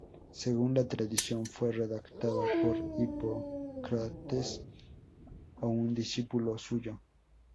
Según la tradición, fue redactado por Hipócrates o un discípulo suyo.